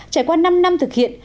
trải qua năm năm thực hiện